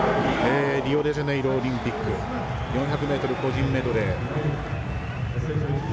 リオデジャネイロオリンピック４００ｍ個人メドレー。